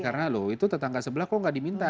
karena loh itu tetangga sebelah kok gak diminta